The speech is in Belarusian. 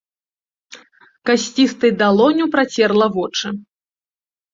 Касцістай далонню працерла вочы.